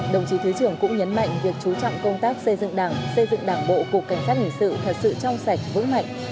đồng chí thứ trưởng cũng nhấn mạnh việc chú trọng công tác xây dựng đảng xây dựng đảng bộ cục cảnh sát hình sự thật sự trong sạch vững mạnh